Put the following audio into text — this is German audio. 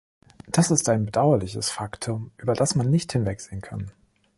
Das ist ein bedauerliches Faktum, über das man nicht hinwegsehen kann.